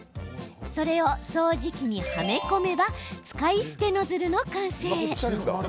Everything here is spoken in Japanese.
それを掃除機に、はめ込めば使い捨てノズルの完成！